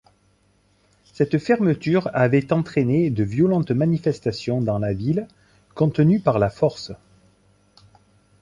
Cette fermeture avait entraîné de violentes manifestations dans la ville, contenues par la force.